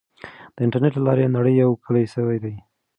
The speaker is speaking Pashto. د انټرنیټ له لارې نړۍ یو کلی سوی دی.